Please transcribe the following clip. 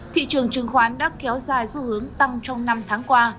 thị trường chứng khoán đã kéo dài xu hướng tăng trong năm tháng qua